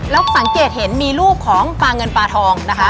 แล้วสังเกตเห็นมีรูปของปลาเงินปลาทองนะคะ